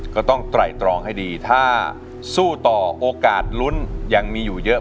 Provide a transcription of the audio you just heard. ก็ต้องไตรตรองให้ดีถ้าสู้ต่อโอกาสลุ้นยังมีอยู่เยอะ